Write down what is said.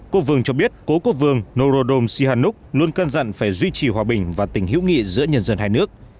cô vương cho biết cố quốc vương norodom sihannuk luôn cân dặn phải duy trì hòa bình và tình hữu nghị giữa nhân dân hai nước